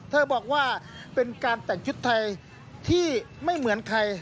เธอบอกว่าเป็นการแต่งชุดไทยที่ไม่เหมือนใคร